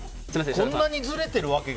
こんなにずれているわけが。